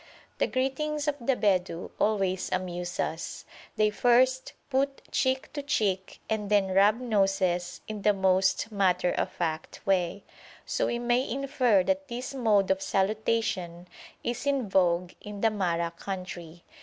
The greetings of the Bedou always amuse us; they first put cheek to cheek and then rub noses in the most matter of fact way, so we may infer that this mode of salutation is in vogue in the Mahra country.